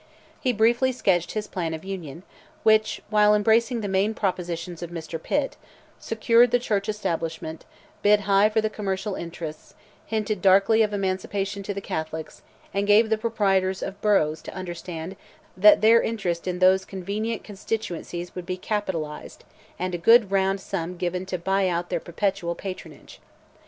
He briefly sketched his plan of Union, which, while embracing the main propositions of Mr. Pitt, secured the Church establishment, bid high for the commercial interests, hinted darkly of emancipation to the Catholics, and gave the proprietors of boroughs to understand that their interest in those convenient constituencies would be capitalized, and a good round sum given to buy out their perpetual patronage.